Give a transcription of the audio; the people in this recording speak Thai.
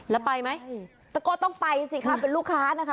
แล้วไปไหมแต่ก็ต้องไปสิคะเป็นลูกค้านะคะ